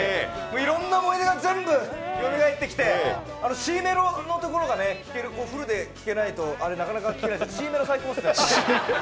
いろんな思い出が全部よみがえってきて、Ｃメロのところがフルで聴けないと、あれ、なかなか聴けないです、Ｃメロ、最高ですね。